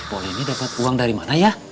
pok ini dapet uang dari mana ya